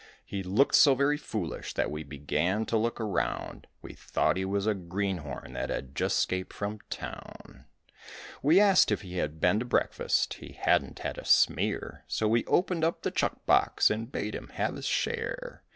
He looked so very foolish that we began to look around, We thought he was a greenhorn that had just 'scaped from town. We asked if he had been to breakfast; he hadn't had a smear, So we opened up the chuck box and bade him have his share.